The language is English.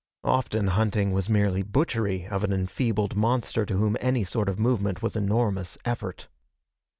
Often, hunting was merely butchery of an enfeebled monster to whom any sort of movement was enormous effort.